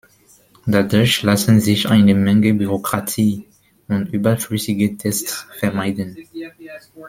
Dadurch lassen sich eine Menge Bürokratie und überflüssige Tests vermeiden.